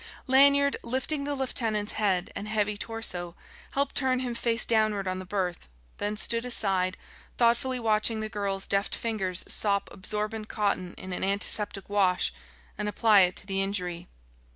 Lanyard, lifting the lieutenant's head and heavy torso, helped turn him face downward on the berth, then stood aside, thoughtfully watching the girl's deft fingers sop absorbent cotton in an antiseptic wash and apply it to the injury.